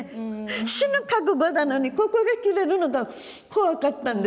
死ぬ覚悟だのにここが切れるのが怖かったんですよ。